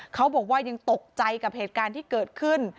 เขาบอกว่ายังตกใจกับเหตุการณ์ที่เกิดขึ้น